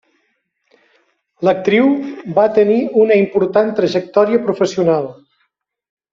L'actriu va tenir una important trajectòria professional.